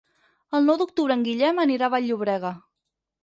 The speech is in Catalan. El nou d'octubre en Guillem anirà a Vall-llobrega.